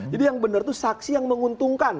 jadi yang bener tuh saksi yang menguntungkan